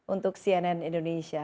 untuk cnn indonesia